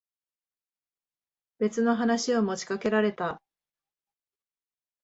別の話を持ちかけられた。